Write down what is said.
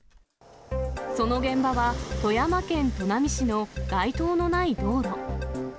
その現場は、富山県砺波市の街灯のない道路。